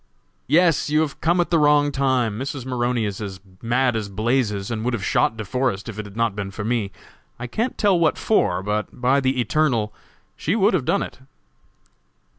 "Yes! You have come at the wrong time. Mrs. Maroney is as mad as blazes, and would have shot De Forest if it had not been for me. I can't tell what for, but, by the Eternal, she would have done it!"